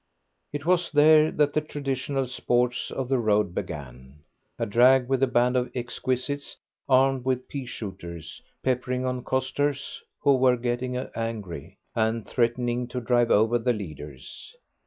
It was there that the traditional sports of the road began. A drag, with a band of exquisites armed with pea shooters, peppering on costers who were getting angry, and threatening to drive over the leaders.